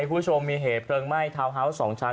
คุณผู้ชมมีเหตุเพลิงมั้ยทาวเนสสองชั้น